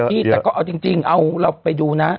พี่แต่ก็เอาจริงเอาเราไปดูนะ